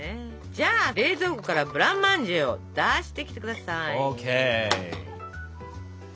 じゃあ冷蔵庫からブランマンジェを出してきてください。ＯＫ！